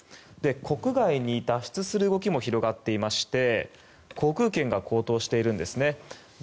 国外に脱出する動きも広がっていまして航空券が高騰しているんですね。